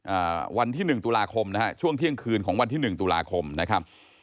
อ่าวันที่หนึ่งตุลาคมนะฮะช่วงเที่ยงคืนของวันที่หนึ่งตุลาคมนะครับ